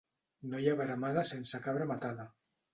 No hi ha veremada sense cabra matada.